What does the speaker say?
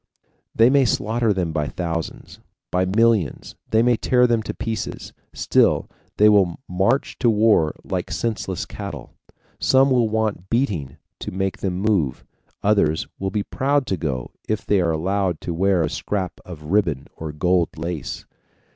They may slaughter them by thousands, by millions, they may tear them to pieces, still they will march to war like senseless cattle. Some will want beating to make them move, others will be proud to go if they are allowed to wear a scrap of ribbon or gold lace.